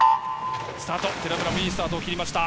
スタート、寺村もいいスタートを切りました。